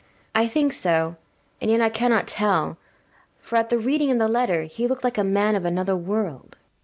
I think so: and yet I cannot tell; for, at the reading of the letter, he looked like a man of another world.